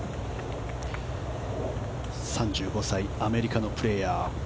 ３５歳、アメリカのプレーヤー。